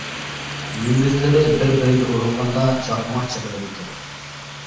مۈڭگۈزلىرى بىر بىرىگە ئۇرۇلغاندا چاقماق چېقىلىدىكەن.